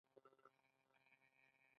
د معدې د زخم لپاره شیرین بویه وکاروئ